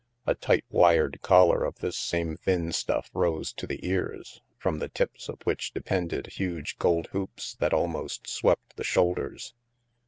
A tight wired collar of this same thin stuff rose to the ears, from the tips of which depended huge gold hoops that almost swept the shoulders.